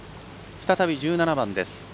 再び１７番です。